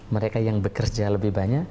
mereka yang bekerja lebih banyak